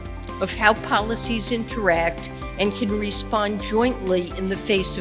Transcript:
pada bagaimana polisi berinteraksi dan dapat bertanggung jawab bersama sama